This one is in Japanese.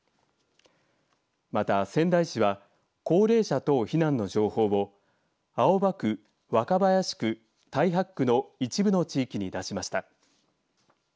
また仙台市は高齢者等避難の情報を青葉区、若林区太白区の一部の地域に出しました。